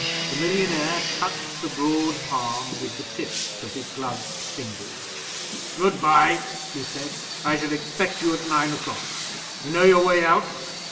The millionaire touched the broad palm with the tips of his gloved fingers. "Good bye," he said; "I shall expect you at nine o'clock. You know your way out?"